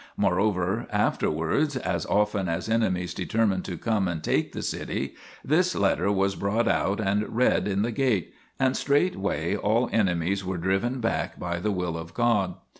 Moreover afterwards, as often as enemies determined to come and take the city, this letter was brought out and read in the gate, and straightway all THE PILGRIMAGE OF ETHERIA 35 enemies were driven back by the will of God.